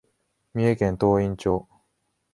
三重県東員町